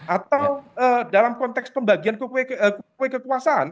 atau dalam konteks pembagian kue kekuasaan